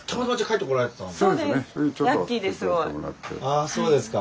あそうですか。